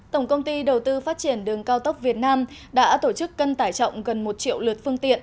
tổng công ty đầu tư phát triển đường cao tốc việt nam đã tổ chức cân tải trọng gần một triệu lượt phương tiện